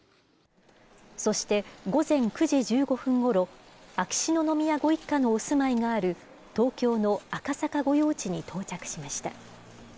そして午前９時１５分ごろ、秋篠宮ご一家のお住まいがある東京の赤坂御用地に到着しました。